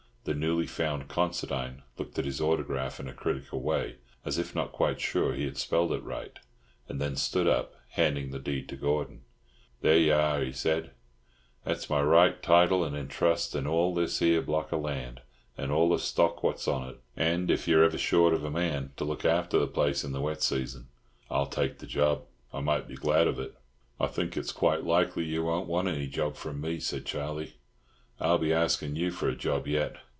The newly found Considine looked at his autograph in a critical way, as if not quite sure he had spelled it right, and then stood up, handing the deed to Gordon. "There y'are," he said. "There's my right, title and intrust in all this here block of land, and all the stock what's on it; and if you're ever short of a man to look after the place in the wet season I'll take the job. I might be glad of it." "I think it's quite likely you won't want any job from me," said Charlie. "I'll be asking you for a job yet.